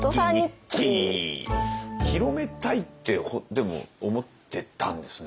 広めたいってでも思ってたんですね。